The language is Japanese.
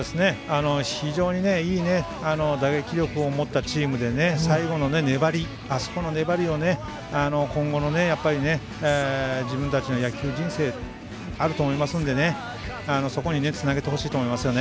非常にいい打撃力を持ったチームで最後の粘り、あそこの粘りを今後の自分たちの野球人生あると思いますのでそこにつなげてほしいと思います。